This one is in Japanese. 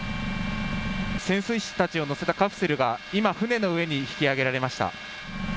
潜水士たちを乗せたカプセルが今、船の上に引き揚げられました。